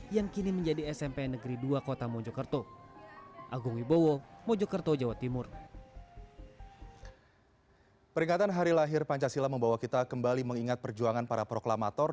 yang kini menjadi smp negeri dua kota mojokerto